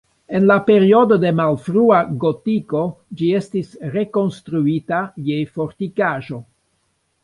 En la periodo de malfrua gotiko ĝi estis rekonstruita je fortikaĵo.